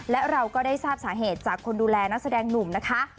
และเราก็ได้ทราบสาเหตุจากคนดูแลนักแสดงหนุ่มนะคะ